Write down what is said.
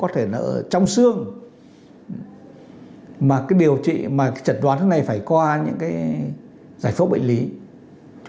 trong xương mà cái điều trị mà cái chật đoán thế này phải qua những cái giải phóng bệnh lý